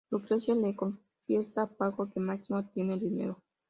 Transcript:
Lucrecia le confiesa a Paco que Máximo tiene el dinero.